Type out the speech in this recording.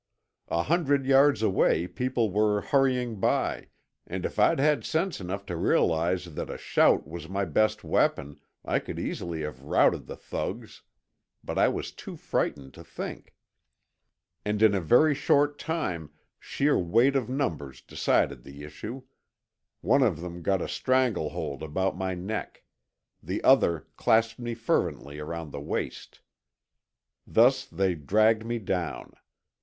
A hundred yards away people were hurrying by, and if I'd had sense enough to realize that a shout was my best weapon I could easily have routed the thugs. But I was too frightened to think. And in a very short time sheer weight of numbers decided the issue. One of them got a strangle hold about my neck. The other clasped me fervently around the waist. Thus they dragged me down.